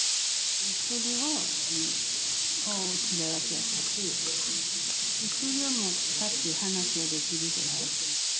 １人は、顔も血だらけやったし、１人はもう立って話もできるくらい。